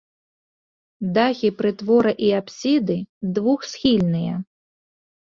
Дахі прытвора і апсіды двухсхільныя.